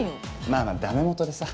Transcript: まあまあダメもとでさ。